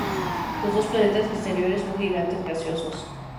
Los dos planetas exteriores son gigantes gaseosos.